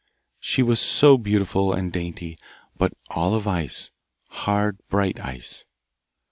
She was so beautiful and dainty, but all of ice, hard bright ice.